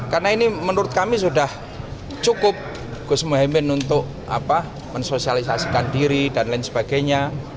karena ini menurut kami sudah cukup gus muhaymin untuk mensosialisasikan diri dan lain sebagainya